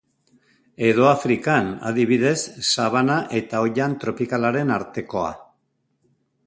Edo Afrikan, adibidez, sabana eta oihan tropikalaren artekoa.